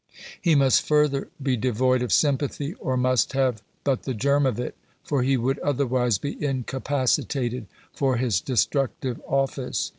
He must further be devoid of sympathy, or must have but the germ of it, for he would otherwise be incapacitated for his destructive office.